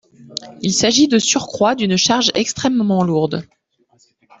Il s’agit de surcroît d’une charge extrêmement lourde.